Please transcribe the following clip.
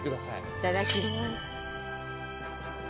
いただきます。